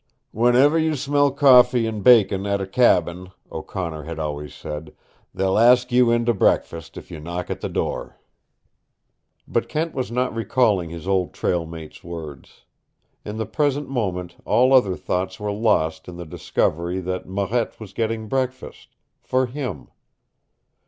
"Whenever you smell coffee and bacon at a cabin," O'Connor had always said, "they'll ask you in to breakfast if you knock at the door." But Kent was not recalling his old trail mate's words. In the present moment all other thoughts were lost in the discovery that Marette was getting breakfast for him.